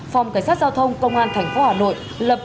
phòng cảnh sát giao thông công an tp hà nội lập